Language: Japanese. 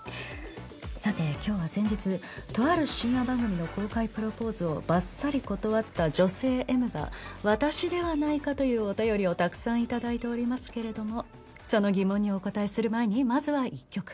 さて今日は先日とある深夜番組の公開プロポーズをばっさり断った女性Ｍが私ではないかというお便りをたくさん頂いておりますけれどもその疑問にお答えする前にまずは１曲。